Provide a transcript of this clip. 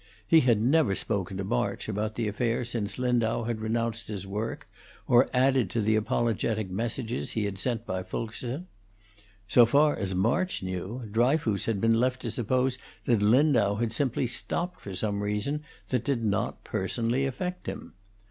He had never spoken to March about the affair since Lindau had renounced his work, or added to the apologetic messages he had sent by Fulkerson. So far as March knew, Dryfoos had been left to suppose that Lindau had simply stopped for some reason that did not personally affect him.